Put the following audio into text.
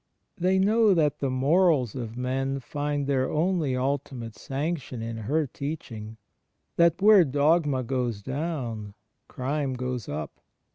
They know that the morals of men find their only ultimate sanction in her teaching — that where dogma goes down, crime goes up.